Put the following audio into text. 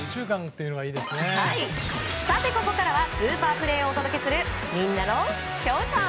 さて、ここからはスーパープレーをお届けするみんなのＳＨＯＷＴＩＭＥ。